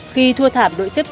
khi thua thảm đội sát thắng